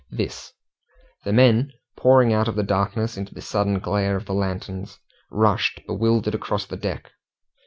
This the men pouring out of the darkness into the sudden glare of the lanterns, rushed, bewildered, across the deck.